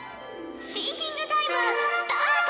シンキングタイムスタート！